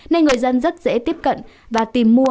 nên người dân rất dễ tiếp cận và tìm mua